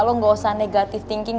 lo gak usah negative thinking